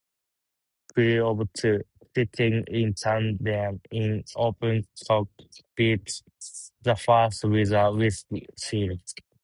Crew of two, sitting in tandem in open cockpits, the first with a windshield.